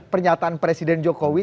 pernyataan presiden jokowi